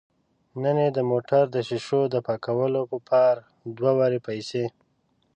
نن یې د موټر د ښیښو د پاکولو په پار دوه واره پیسې